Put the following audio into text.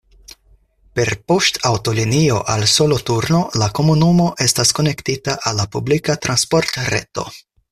Per poŝtaŭtolinio al Soloturno la komunumo estas konektita al la publika transportreto.